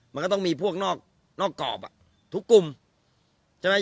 มันก็ต้องมีพวกนอกกรอบทุกกลุ่มใช่ไหม